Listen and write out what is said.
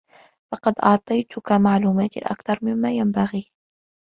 لقد أعطيتك معلومات أكثر مما ينبغي.